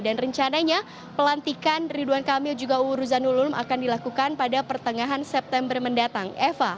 dan rencananya pelantikan ridwan kamil juga uruzanululum akan dilakukan pada pertengahan september mendatang